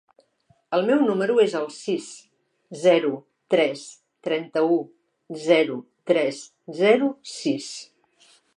El meu número es el sis, zero, tres, trenta-u, zero, tres, zero, sis.